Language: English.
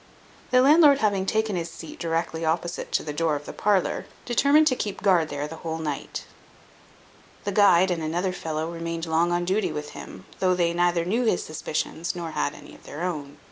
The landlord having taken his seat directly opposite to the door of the parlour, determined to keep guard there the whole night. The guide and another fellow remained long on duty with him, though they neither knew his suspicions, nor had any of their own.